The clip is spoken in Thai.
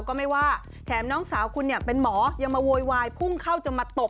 ก็ไม่ว่าแถมน้องสาวคุณเนี่ยเป็นหมอยังมาโวยวายพุ่งเข้าจะมาตบ